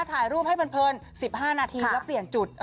ถ่ายรูปให้เพลิน๑๕นาทีแล้วเปลี่ยนจุด